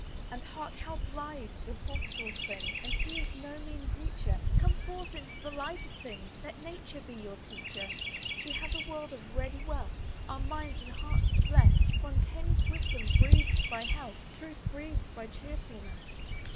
And hark! how blithe the throstle sings! And he is no mean preacher; Come forth into the light of things, Let Nature be your teacher. She has a world of ready wealth, Our minds and hearts to bless Spontaneous wisdom breathed by health, Truth breathed by chearfulness.